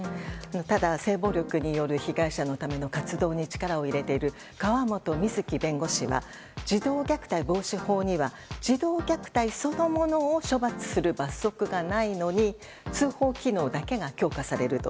ただ、性暴力による被害者のための活動に力を入れている川本瑞紀弁護士は児童虐待防止法には児童虐待そのものを処罰する罰則がないのに通報機能だけが強化されると。